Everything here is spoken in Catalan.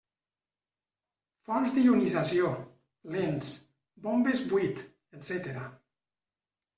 Fonts d'ionització, lents, bombes buit, etcètera.